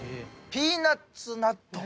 ピーナッツ納豆？